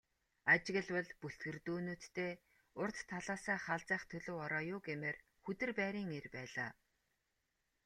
Ажиглавал бүлтгэрдүү нүдтэй урд талаасаа халзайх төлөв ороо юу гэмээр, хүдэр байрын эр байлаа.